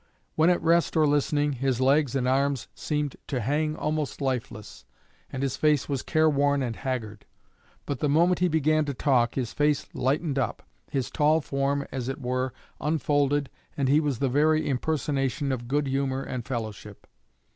When at rest or listening, his legs and arms seemed to hang almost lifeless, and his face was careworn and haggard; but the moment he began to talk his face lightened up, his tall form, as it were, unfolded, and he was the very impersonation of good humor and fellowship.